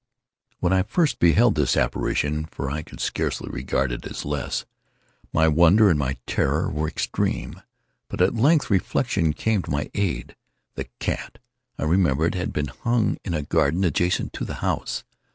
When I first beheld this apparition—for I could scarcely regard it as less—my wonder and my terror were extreme. But at length reflection came to my aid. The cat, I remembered, had been hung in a garden adjacent to the house.